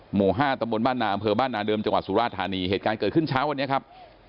หมู่ห้าตำบลบ้านนาอำเภอบ้านนาเดิมจังหวัดสุราธานีเหตุการณ์เกิดขึ้นเช้าวันนี้ครับ